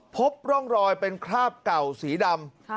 พบร่องรอยเป็นคราบเก่าสีดำ